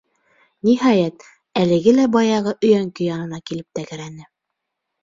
Ниһайәт, әлеге лә баягы өйәңке янына килеп тәгәрәне.